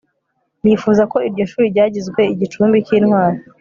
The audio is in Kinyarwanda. yifuza ko iryo shuri ryagizwe igicumbi k'intwari